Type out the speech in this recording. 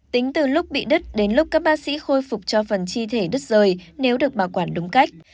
tính từ lúc bị đứt đến lúc các bác sĩ khôi phục cho phần thi thể đứt rời nếu được bảo quản đúng cách